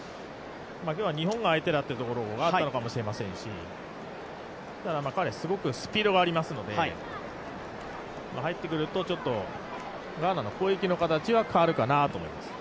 今日は日本が相手だというところもあったのかもしれませんし、彼はすごくスピードがありますので、入ってくるとちょっとガーナの攻撃の形は変わるかなと思います。